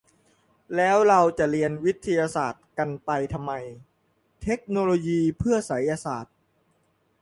แล้วเราจะเรียนวิทยาศาสตร์กันไปทำไม เทคโนโลยีเพื่อไสยศาสตร์ ?